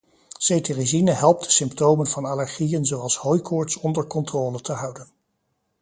Cetirizine helpt de symptomen van allergieën zoals hooikoorts onder controle te houden.